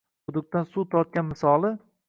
quduqdan suv tortgan misoli